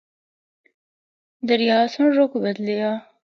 دریا سنڑ رُخ بدلیا۔